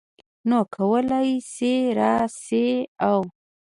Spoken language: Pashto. نو کولی شې راشې او